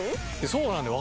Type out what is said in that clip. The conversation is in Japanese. そうなんだよ。